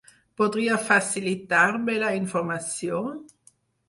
Podria facilitar-me la informació?